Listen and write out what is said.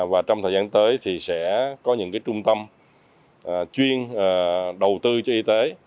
và trong thời gian tới thì sẽ có những trung tâm chuyên đầu tư cho y tế